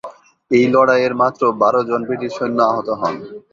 এই লড়াইয়ে মাত্র বারো জন ব্রিটিশ সৈন্য আহত হন।